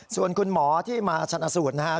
ส่วนคุณหมอที่มาชนะสูตรนะครับ